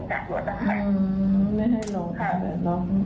ในรถอันนั้นเขาก็พยายามหนีออกจากเทพ